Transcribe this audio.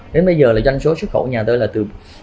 đến bây giờ là doanh số xuất khẩu nhà tôi là từ